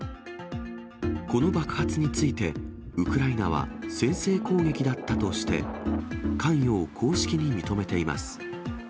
この爆発について、ウクライナは先制攻撃だったとして、関与を公式に認めています。